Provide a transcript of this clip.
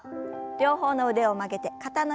両方の腕を曲げて肩の横へ。